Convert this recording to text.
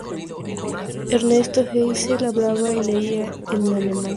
Ernesto Geisel hablaba y leía el alemán.